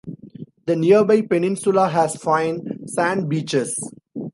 The nearby peninsula has fine sand beaches.